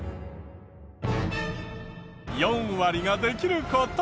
４割ができる事。